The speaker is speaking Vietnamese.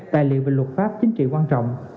tài liệu về luật pháp chính trị quan trọng